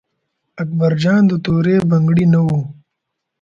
اکبر جان د تورې بنګړي نه و.